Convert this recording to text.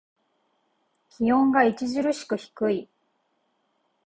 気温が著しく低い。